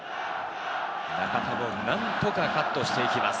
中田も何とかカットしていきます。